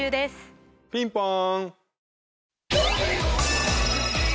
ピンポン！